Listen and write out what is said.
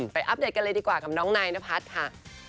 อัปเดตกันเลยดีกว่ากับน้องนายนพัฒน์ค่ะ